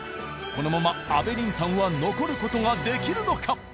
このまま阿部凜さんは残る事ができるのか？